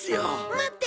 待って！